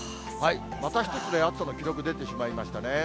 また一つね、暑さの記録出てしまいましたね。